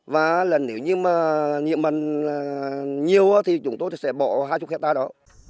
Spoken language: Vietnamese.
và nếu như mà nhiễm mặn nhiều thì chúng tôi sẽ bỏ hai mươi hectare đó